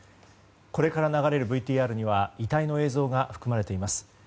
これから流れるＶＴＲには遺体の映像が含まれています。